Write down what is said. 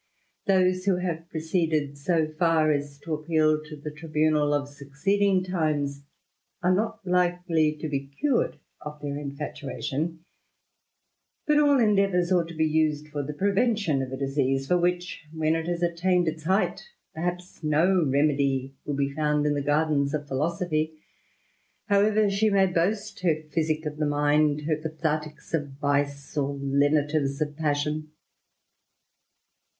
Those who have proceeded so far as to appeal to the tribunal of succeeding times, are not likely to be cured of tiieir infatuation ; but all endeavours ought to be M^td. lot 6 THE^ RAMBLER, the prevention of a disease, for which, when it J attained its height, perhaps no remedy will be foun<^ Ui Ite "g^eos of philosophy, however she may boast bar phyind^ of Sift mind, her catharticks of vice, or lenitives of passion.